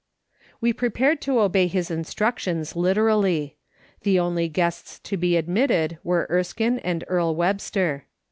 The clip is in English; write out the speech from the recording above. We prepared to obey his instructions literally. The only guests to be admitted were Erskine and Earle Webster.